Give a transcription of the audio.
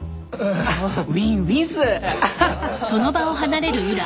ウィンウィン。